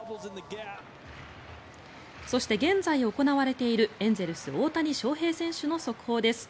そして、現在行われているエンゼルス、大谷翔平選手の速報です。